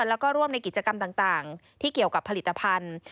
แล้วก็ร่วมในกิจกรรมต่างที่เกี่ยวกับผลิตภัณฑ์